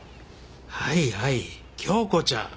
はいはい京子ちゃん。